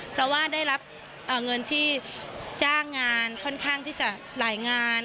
เพราะว่าได้รับเงินที่จ้างงานค่อนข้างที่จะหลายงาน